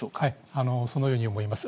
はい、そのように思います。